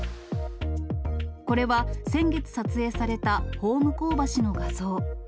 これは、先月撮影された方向橋の画像。